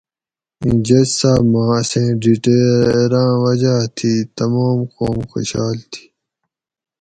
ایں جج صاۤب ما اسیں ڈیٹیراۤں وجاۤ تھی تمام قوم خوشال تھی